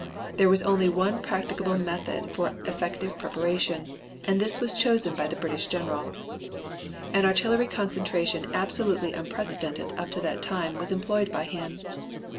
There was only one practicable method for effective preparation, and this was chosen by the British general. An artillery concentration absolutely unprecedented up to that time was employed by him.